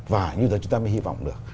và như thế chúng ta mới hy vọng được